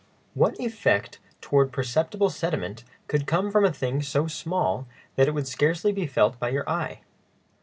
What effect toward perceptible sediment could come from a thing so small that it would scarcely be felt in your eye?